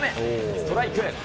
ストライク。